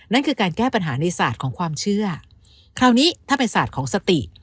นั่นคือการแก้ปัญหาในศาสตร์ของความเชื่อคราวนี้ถ้าเป็นศาสตร์ของสติ